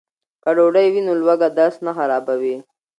که ډوډۍ وي نو لوږه درس نه خرابوي.